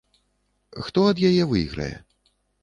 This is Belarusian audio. Хто ад яе выйграе?